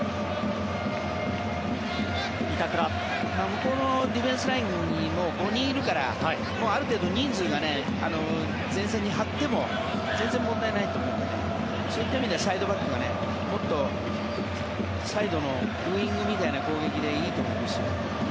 向こうのディフェンスラインにも５人いるからある程度、人数が前線に張っても全然問題ないと思うのでそういった意味ではサイドバックがもっとサイドのウィングみたいな攻撃でいいと思います。